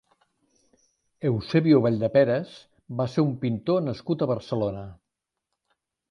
Eusebio Valldeperas va ser un pintor nascut a Barcelona.